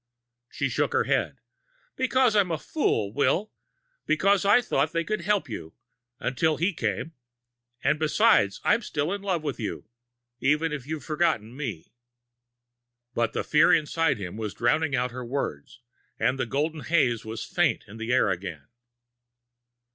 She shook her head. "Because I'm a fool, Will. Because I thought they could help you until he came! And because I'm still in love with you, even if you'd forgotten me." But the fear inside him was drowning out her words, and the golden haze was faint in the air again.